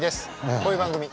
こういう番組。